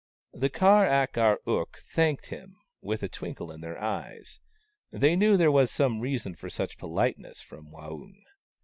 The Kar ak ar ook thanked him, with a twinkle in their eyes. They knew there was some reason for such politeness from Waung.